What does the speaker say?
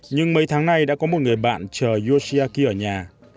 nhưng mấy tháng nay đã có một người bạn chờ yoshiaki ở nhà